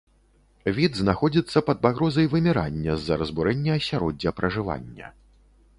Від знаходзіцца пад пагрозай вымірання з-за разбурэння асяроддзя пражывання.